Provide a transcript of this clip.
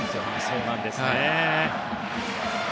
そうなんですね。